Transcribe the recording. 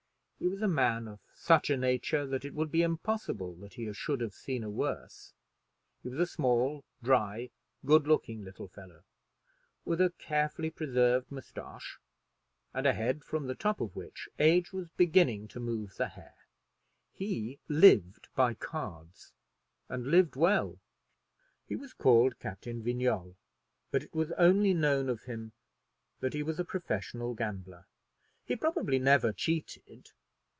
He was a man of such a nature that it would be impossible that he should have seen a worse. He was a small, dry, good looking little fellow, with a carefully preserved mustache, and a head from the top of which age was beginning to move the hair. He lived by cards, and lived well. He was called Captain Vignolles, but it was only known of him that he was a professional gambler. He probably never cheated.